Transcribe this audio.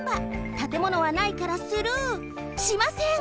たてものはないからスルーしません！